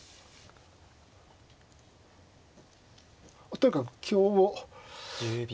とにかく香を。